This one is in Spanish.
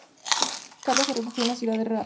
Carlos se refugió en Ciudad Real.